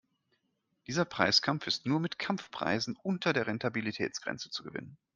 Dieser Preiskampf ist nur mit Kampfpreisen unter der Rentabilitätsgrenze zu gewinnen.